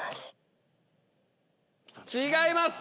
違います！